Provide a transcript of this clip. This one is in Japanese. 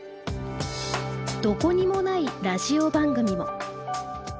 「どこにもないラジオ番組」も。